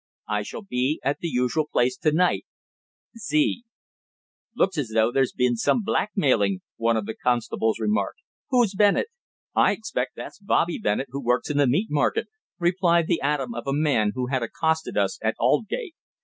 I shall be at the usual place to night. Z."_ "Looks as though there's been some blackmailing," one of the constables remarked. "Who's Bennett?" "I expect that's Bobby Bennett who works in the Meat Market," replied the atom of a man who had accosted us at Aldgate.